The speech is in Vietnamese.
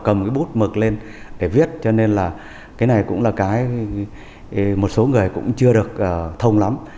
cầm cái bút mực lên để viết cho nên là cái này cũng là cái một số người cũng chưa được thông lắm